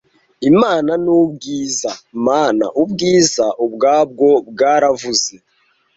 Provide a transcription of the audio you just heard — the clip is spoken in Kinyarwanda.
imana ni ubwiza mana ubwiza ubwabwo bwaravuze